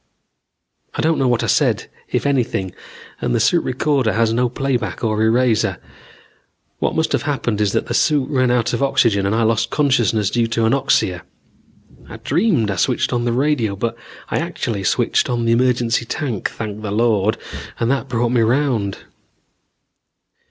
I don't know what I said, if anything, and the suit recorder has no playback or eraser. What must have happened is that the suit ran out of oxygen, and I lost consciousness due to anoxia. I dreamed I switched on the radio, but I actually switched on the emergency tank, thank the Lord, and that brought me round.